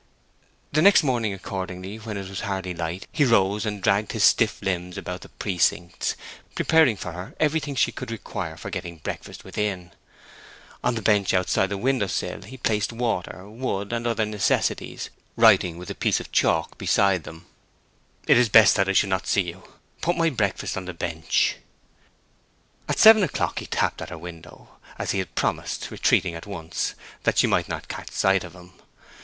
The next morning, accordingly, when it was hardly light, he rose and dragged his stiff limbs about the precincts, preparing for her everything she could require for getting breakfast within. On the bench outside the window sill he placed water, wood, and other necessaries, writing with a piece of chalk beside them, "It is best that I should not see you. Put my breakfast on the bench." At seven o'clock he tapped at her window, as he had promised, retreating at once, that she might not catch sight of him.